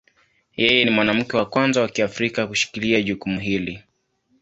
Yeye ni mwanamke wa kwanza wa Kiafrika kushikilia jukumu hili.